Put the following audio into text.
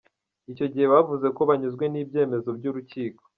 Icyo gihe bavuze ko banyuzwe n’ibyemezo by’urukiko.